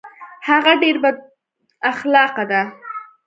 هغه ډیر بد اخلاقه ده